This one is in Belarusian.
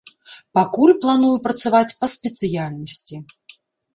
Пакуль, планую працаваць па спецыяльнасці.